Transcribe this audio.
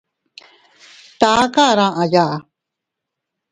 Tkar aa aʼaya.